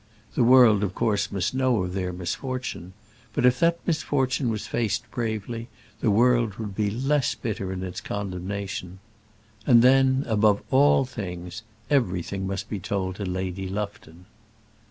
The world of course must know of their misfortune; but if that misfortune was faced bravely, the world would be less bitter in its condemnation. And then, above all things, everything must be told to Lady Lufton.